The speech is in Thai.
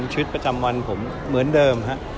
ชีวิตประจำวันผมเหมือนเดิมฮะ